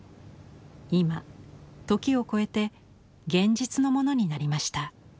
今時を超えて現実のものになりました。